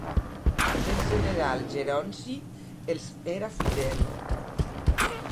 El general Geronci els era fidel?